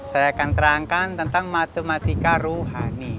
saya akan terangkan tentang matematika ruhani